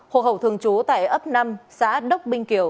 hồ hậu thường chú tại ấp năm xã đốc binh kiều